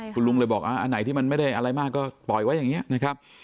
คุณลุงเลยบอกอันไหนที่มันไม่ได้อะไรมากก็ปล่อยไว้อย่างนี้นะครับ